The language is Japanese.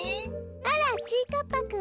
あらちぃかっぱくん。